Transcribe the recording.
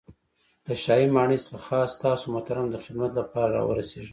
له شاهي ماڼۍ څخه خاص تاسو محترم ته د خدمت له پاره را ورسېږم.